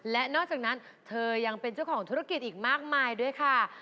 และนอกจากนั้นเธอยังเป็นเจ้าของธุรกิจอีกมากมายด้วยค่ะ